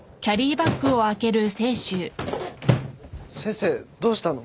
先生どうしたの？